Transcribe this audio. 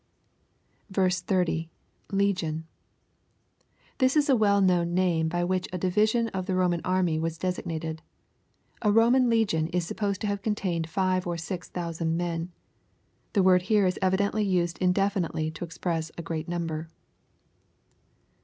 30. — [Legion.] This is a well known name by which a division of the Roman army was designated. A Roman Legion is supposed to have contained 5 or 6000 men. The word here is evidently used indefinitely to express a great number.